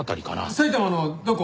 埼玉のどこ？